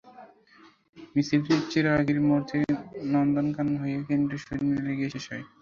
মিছিলটি চেরাগীর মোড় থেকে নন্দনকানন হয়ে কেন্দ্রীয় শহীদ মিনারে গিয়ে শেষ হয়।